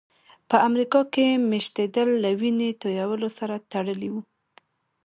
په امریکا کې مېشتېدل له وینې تویولو سره تړلي وو.